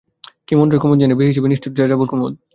কী মন্ত্রই কুমুদ জানে, বেহিসাবী নিষ্ঠুর যাযাবর কুমুদ।